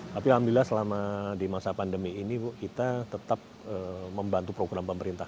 tapi alhamdulillah selama di masa pandemi ini bu kita tetap membantu program pemerintah